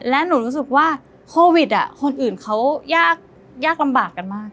และหนูรู้สึกว่าโควิดคนอื่นเขายากลำบากกันมาก